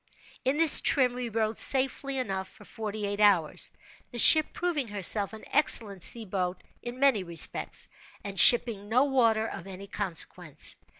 In this trim we rode safely enough for forty eight hours—the ship proving herself an excellent sea boat in many respects, and shipping no water of any consequence.